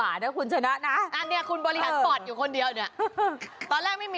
อ้าวบริหารปอดอย่าถูกวิธี